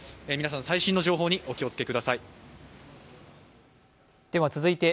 皆さん、最新の情報にお気をつけください。